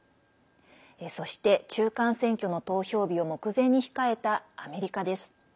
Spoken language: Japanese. そして、中間選挙の投票日を目前に控えたアメリカです。